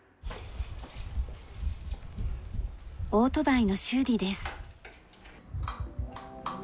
オートバイの修理です。